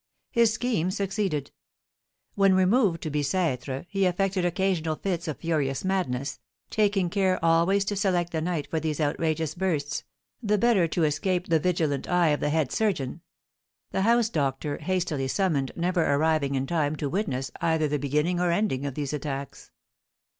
His scheme succeeded. When removed to Bicêtre he affected occasional fits of furious madness, taking care always to select the night for these outrageous bursts, the better to escape the vigilant eye of the head surgeon; the house doctor, hastily summoned, never arriving in time to witness either the beginning or ending of these attacks.